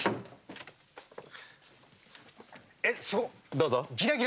どうぞ。